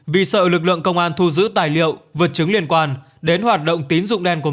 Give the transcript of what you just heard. vì sợ lực lượng công an thu giữ tài liệu vật chứng liên quan đến hoạt động tín dụng đen của